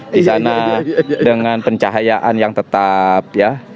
di sana dengan pencahayaan yang tetap ya